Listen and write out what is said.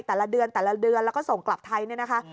แต่ละเดือนแล้วก็ส่งกลับไทยนี่นะคะ